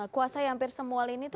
kuasai hampir semua lini